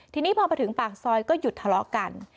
ทีนี้พอมาถึงปากซอยก็หยุดทะเลาะกัน